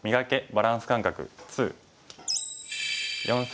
バランス感覚２」。